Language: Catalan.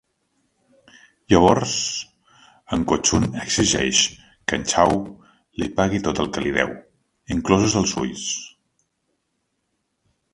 Llavors, en Ko Chun exigeix que en Chau li pagui tot el que li deu, inclosos els ulls.